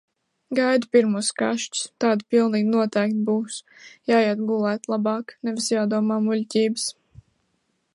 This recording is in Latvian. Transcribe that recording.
Gaidu pirmos kašķus, tādi pilnīgi noteikti būs. Jāiet gulēt labāk, nevis jādomā muļķības.